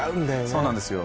そうなんですよ